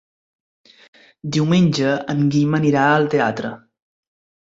Diumenge en Guim anirà al teatre.